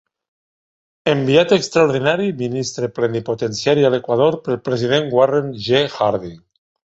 Enviat extraordinari i ministre plenipotenciari a l'Equador pel President Warren G. Harding.